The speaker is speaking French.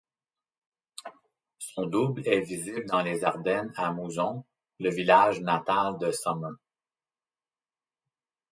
Son double est visible dans les Ardennes à Mouzon, le village natal de Sommer.